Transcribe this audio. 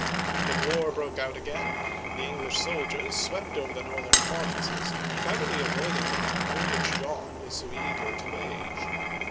When war broke out again, the English soldiers swept over the northern provinces, cleverly avoiding the battle which John was so eager to wage.